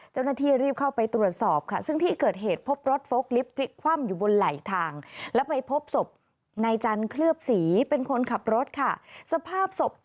เจ้าหน้าที่รีบเข้าไปตรวจสอบค่ะ